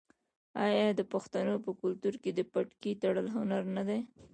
آیا د پښتنو په کلتور کې د پټکي تړل هنر نه دی؟